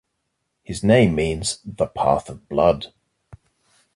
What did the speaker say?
His name means "the path of blood".